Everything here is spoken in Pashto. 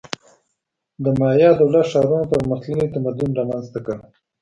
د مایا دولت-ښارونو پرمختللی تمدن رامنځته کړ.